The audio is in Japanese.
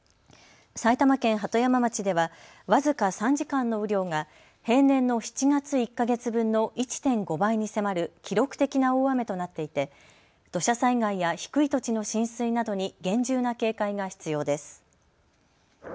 埼玉県鳩山町では僅か３時間の雨量が平年の７月１か月分の１．５倍に迫る記録的な大雨となっていて土砂災害や低い土地の浸水などに厳重な警戒が必要です。